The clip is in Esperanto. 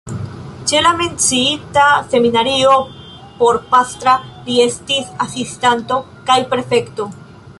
Ĉe la menciita seminario porpastra li estis asistanto kaj prefekto.